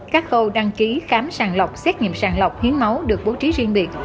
các khâu đăng ký khám sàng lọc xét nghiệm sàng lọc hiến máu được bố trí riêng biệt